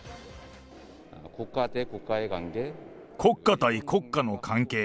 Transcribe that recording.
国家対国家の関係。